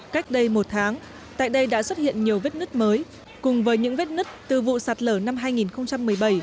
cách đây một tháng tại đây đã xuất hiện nhiều vết nứt mới cùng với những vết nứt từ vụ sạt lở năm hai nghìn một mươi bảy